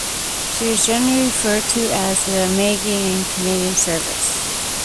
She was generally referred to as the "Maggie" in Canadian service.